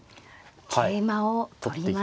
桂馬を取りました。